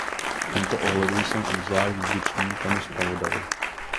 V tomto ohledu jsem obzvlášť vděčný panu zpravodaji.